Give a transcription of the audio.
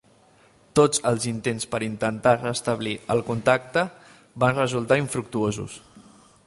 Tots els intents per intentar restablir el contacte van resultar infructuosos.